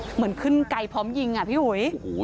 เหมือนขึ้นไกลพร้อมยิงอ่ะพี่อุ๋ย